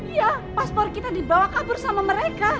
iya paspor kita dibawa kabur sama mereka